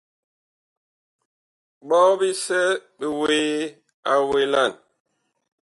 Ɓɔ bisɛ bi wuee a welan.